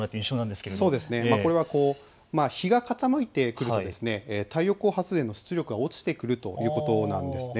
これは日が傾いてくると太陽光発電の出力が落ちてくるということなんです。